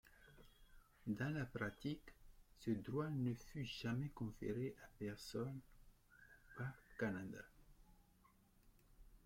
Dans la pratique, ce droit ne fut jamais conféré à personne au Bas-Canada.